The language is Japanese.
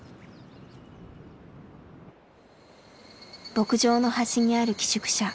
牧場の端にある寄宿舎。